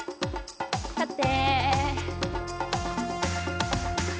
立って。